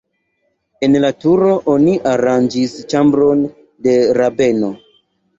En la turo oni aranĝis ĉambron de rabeno.